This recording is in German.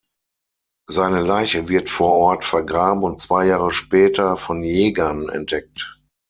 Seine Leiche wird vor Ort vergraben und zwei Jahre später von Jägern entdeckt.